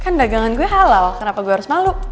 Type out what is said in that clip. kan dagangan gue halal kenapa gue harus malu